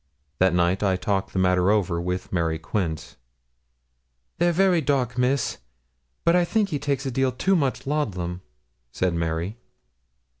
That night I talked the matter over with Mary Quince. 'They're very dark, miss; but I think he takes a deal too much laudlum,' said Mary.